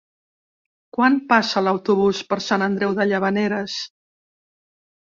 Quan passa l'autobús per Sant Andreu de Llavaneres?